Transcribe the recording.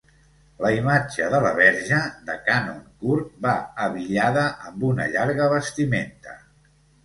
La imatge de la verge, de cànon curt, va abillada amb una llarga vestimenta.